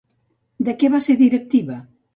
De què va ser directiva?